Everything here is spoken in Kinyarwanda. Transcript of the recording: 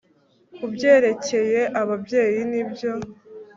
kubyerekeye ababyeyi, nibyo